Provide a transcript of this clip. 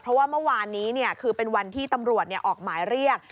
เพราะว่าเมื่อวานนี้คือเป็นวันที่ตำรวจออกหมายเรียก